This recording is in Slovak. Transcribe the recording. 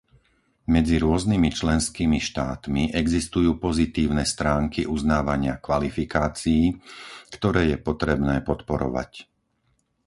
Medzi rôznymi členskými štátmi existujú pozitívne stránky uznávania kvalifikácií, ktoré je potrebné podporovať.